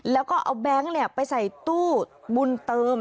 แล้วก็เอาแบงค์ไปใส่ตู้บุญเติม